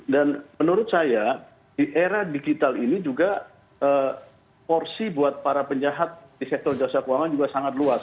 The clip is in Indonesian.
dan menurut saya di era digital ini juga porsi buat para penjahat di sektor jasa keuangan juga sangat luas